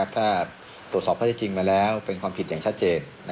ถ้าตรวจสอบข้อที่จริงมาแล้วเป็นความผิดอย่างชัดเจน